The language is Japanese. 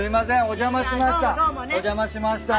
お邪魔しました。